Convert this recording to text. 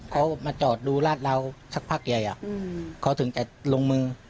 เขามาจอดดูลาดเราสักพักใหญ่เขาถึงจะลงมือ